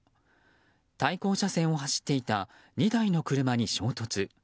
対向車線を走っていた２台の車に衝突。